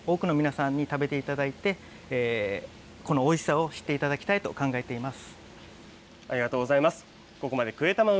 これから多くの皆さんに食べていただいて、このおいしさを知っていただきたいありがとうございます。